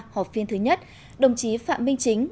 họp phiên thứ nhất đồng chí phạm minh chính